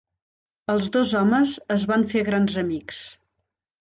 Els dos homes es van fer grans amics.